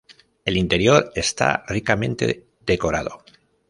El interior está ricamente decorado.